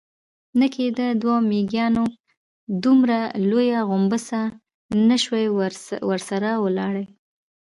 نه کېده، دوو مېږيانو دومره لويه غومبسه نه شوای ورسره وړلای.